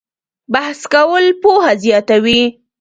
بحث کول پوهه زیاتوي؟